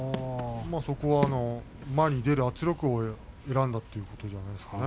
そこは前に出る圧力を選んだということじゃないですかね。